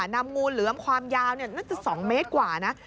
นำงูเหลือมความยาวน่าจะ๒เมตรกว่านะ